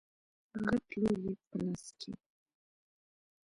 غټ لور يې په لاس کې و.